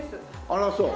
あらそう。